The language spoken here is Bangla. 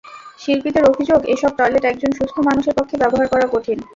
শিল্পীদের অভিযোগ, এসব টয়লেট একজন সুস্থ মানুষের পক্ষে ব্যবহার করা কঠিন।